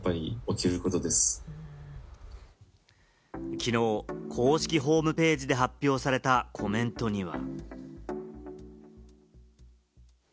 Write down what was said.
きのう公式ホームページで発表されたコメントには。